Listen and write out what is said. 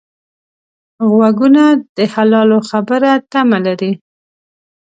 غوږونه د حلالو خبرو تمه لري